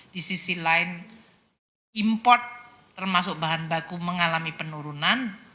di sisi lain import termasuk bahan baku mengalami penurunan